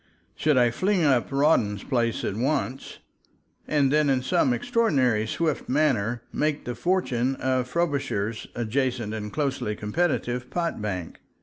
Should I fling up Rawdon's place at once and then in some extraordinary, swift manner make the fortune of Frobisher's adjacent and closely competitive pot bank?